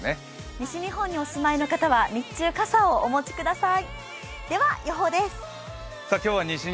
西日本にお住まいの方は日中、傘をお持ちください。